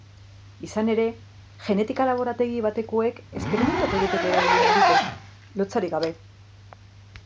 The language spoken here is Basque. Izan ere, genetika-laborategi batekoek esperimentuak egiteko erabili nahi dute, lotsarik gabe.